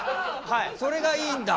それがいいんだ！？